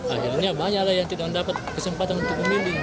akhirnya banyak yang tidak dapat kesempatan untuk memilih